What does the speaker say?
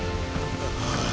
ああ。